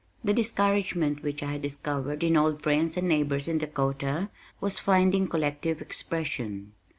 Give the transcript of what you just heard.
The discouragement which I had discovered in old friends and neighbors in Dakota was finding collective expression.